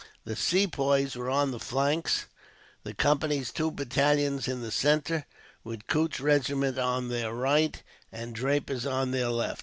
The Sepoys were on the flanks, the Company's two battalions in the centre, with Coote's regiment on their right and Draper's on their left.